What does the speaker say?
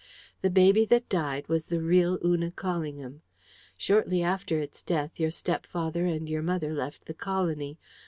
The baby that died was the real Una Callingham. Shortly after its death, your stepfather and your mother left the colony.